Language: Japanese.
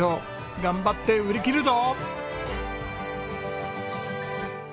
頑張って売り切るぞ！